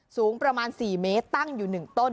สูงประมาณ๔เมตรตั้งอยู่๑ต้น